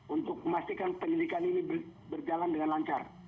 untuk memastikan penyelidikan ini berjalan dengan lancar